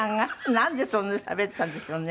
なんでそんなしゃべったんでしょうね？